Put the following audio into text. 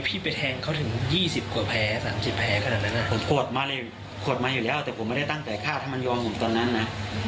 ผมโคตรมาเลยโคตรมาอยู่แล้วแต่ผมไม่ได้ตั้งแต่ฆ่าถ้ามันยอมผมตอนนั้นนะ